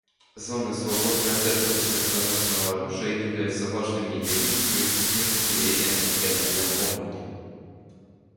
Зоны, свободные от этого смертоносного оружия, являются важными элементами укрепления доверия на региональном уровне.